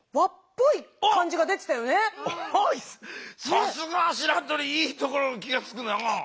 さすがしらとりいいところに気がつくな。